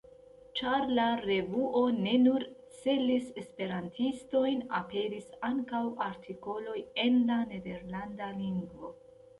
Ĉar la revuo ne nur celis esperantistojn, aperis ankaŭ artikoloj en la nederlanda lingvo.